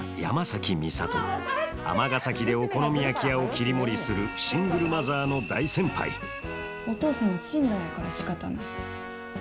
尼崎でお好み焼き屋を切り盛りするシングルマザーの大先輩お父さんは死んだんやからしかたない。